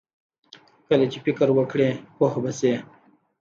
کله چې فکر وکړې، پوه به شې!